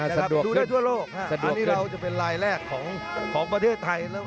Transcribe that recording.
สะดวกขึ้นสะดวกขึ้นอันนี้เราจะเป็นลายแรกของประเทศไทย